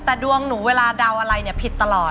แต่ดวงหนูเวลาเดาอะไรเนี่ยผิดตลอด